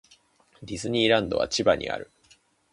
ディズニーランドは千葉にある。